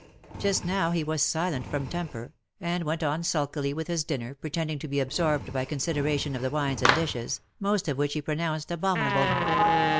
Just now he was silent from temper, and went on sulkily with his dinner, pretending to be absorbed by consideration of the wines and dishes, most of which he pronounced abominable.